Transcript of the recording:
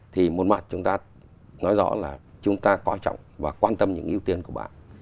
thì một mặt chúng ta nói rõ là chúng ta coi trọng và quan tâm những ưu tiên của bạn